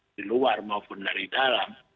di luar maupun dari dalam